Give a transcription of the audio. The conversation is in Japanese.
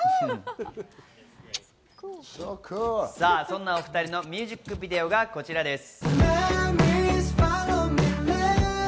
そんなお２人のミュージックビデオがこちらです。